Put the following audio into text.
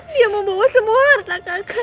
dia mau bawa semua harta kakak